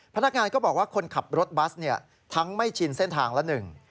พนักงานก็บอกว่าคนขับรถบัสเนี่ยทั้งไม่ชินเส้นทางละหนึ่ง